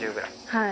はい。